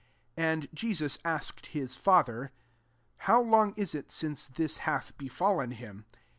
21 And Jesus asked his father, How long is it since this hath befal len him